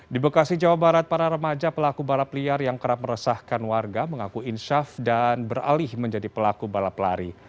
di bekasi jawa barat para remaja pelaku balap liar yang kerap meresahkan warga mengaku insyaf dan beralih menjadi pelaku balap lari